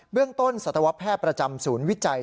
เรื่องต้นสัตวแพทย์ประจำศูนย์วิจัย